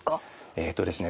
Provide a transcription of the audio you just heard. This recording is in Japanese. えっとですね